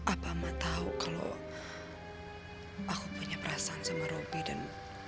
apa ma tahu kalau aku punya perasaan sama roby dan